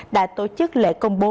đã tổ chức lễ công bố